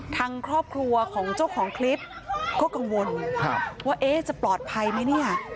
ทางครอบครัวของเจ้าของคลิปก็กังวลว่าจะปลอดภัยไหมเนี่ย